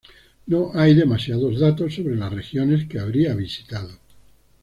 No hay demasiados datos sobre las regiones que habría visitado.